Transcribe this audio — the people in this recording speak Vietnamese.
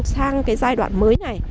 sang cái giai đoạn mới này